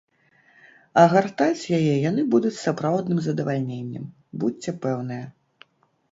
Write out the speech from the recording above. А гартаць яе яны будуць з сапраўдным задавальненнем, будзьце пэўныя!